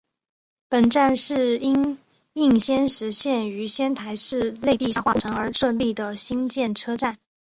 本站是因应仙石线于仙台市内地下化工程而设立的新建车站。